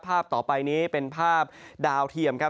ภาพต่อไปนี้เป็นภาพดาวเทียมครับ